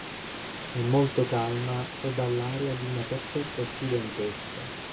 È molto calma ed ha l'aria di una perfetta studentessa.